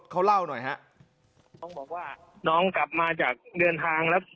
เขาเล่าหน่อยฮะน้องบอกว่าน้องกลับมาจากเดินทางแล้ว